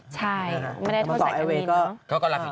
ใช่ไม่ได้โทษสายการบิน